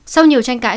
sau nhiều tranh cãi